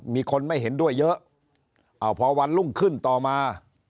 มีคนไม่เห็นด้วยเยอะพอวันรุ่งขึ้นต่อมา